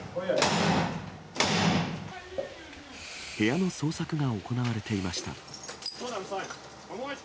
部屋の捜索が行われていました。